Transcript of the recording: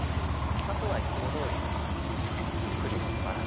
あとはいつもどおり。